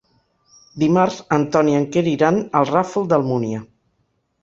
Dimarts en Ton i en Quer iran al Ràfol d'Almúnia.